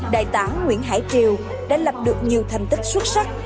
đại tá nguyễn hải triều đã lập được nhiều thành tích xuất sắc